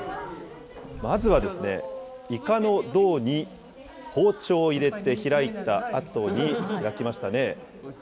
まずはイカの胴に包丁を入れて開いたあとに、開きましたね。